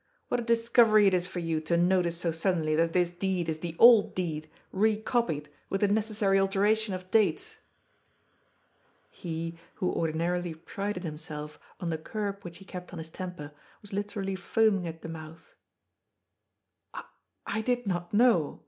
What a discovery it is for you to notice so suddenly that this deed is the old deed recopied with the necessary alteration of dates !" He, who ordinarily prided himself on the curb \ 412 GOD'S POOL. which he kept on his temper, was literally foaming at the mouth. ^^ I did not know.